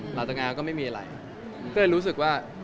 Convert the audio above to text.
หลังจากงานก็ไม่มีอะไร